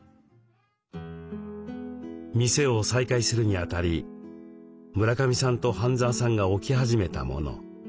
店を再開するにあたり村上さんと半澤さんが置き始めたもの。